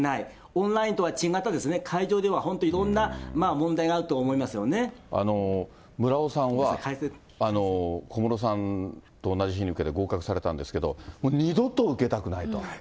オンラインとは違った、会場では本当、いろんな問題があると思い村尾さんは、小室さんと同じ日に受けて合格されたんですけど、もう二度と受けたくないと。